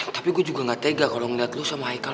tapi gue juga gak tega kalau ngeliat lu sama ichael